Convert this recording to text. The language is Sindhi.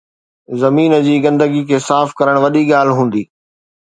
زمين جي گندگي کي صاف ڪرڻ وڏي ڳالهه هوندي